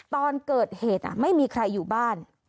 ตอนเกิดเหตุไม่มีใครอยู่บ้าน